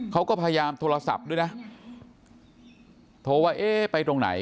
เขาก็พยายามโทรศัพท์ด้วยนะโทรว่าเอ๊ะไปตรงไหน